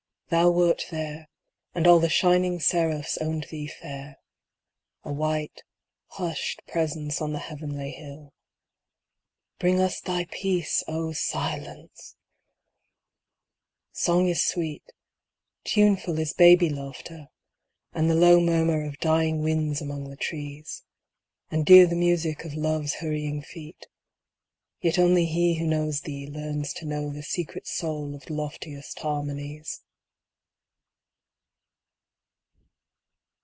Thou wert there, And all the shining seraphs owned thee fair —■ A white, hushed Presence on the heavenly hill. Bring us thy peace, O Silence ! Song is sweet ; Tuneful is baby laughter, and the low Murmur of dying winds among the trees. And dear the music of Love's hurrying feet ; Yet only he who knows thee learns to know The secret soul of loftiest harmonies.